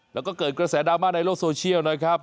แล้วก็เกิดกระแสดราม่าในโลกโซเชียลนะครับ